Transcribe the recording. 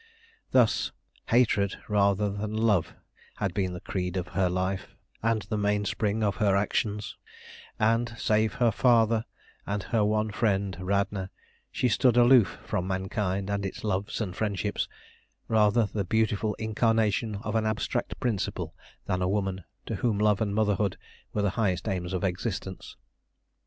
Thus hatred rather than love had been the creed of her life and the mainspring of her actions, and, save her father and her one friend Radna, she stood aloof from mankind and its loves and friendships, rather the beautiful incarnation of an abstract principle than a woman, to whom love and motherhood were the highest aims of existence.